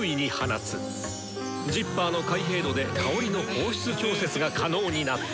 ジッパーの開閉度で香りの放出調節が可能になった！